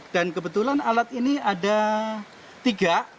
dan kebetulan alat ini ada tiga